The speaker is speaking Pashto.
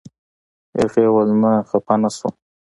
هغې ویل نه خپه نه شوم.